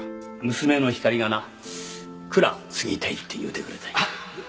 娘のひかりがな蔵継ぎたいって言うてくれたんや。